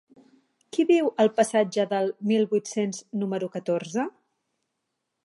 Qui viu al passatge del Mil vuit-cents número catorze?